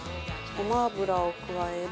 ごま油を加える。